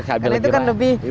karena itu kan lebih